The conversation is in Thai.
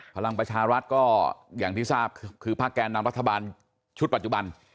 พลังประชารัฐก็อย่างที่ทราบคือภาคแกนนำรัฐบาลชุดปัจจุบัน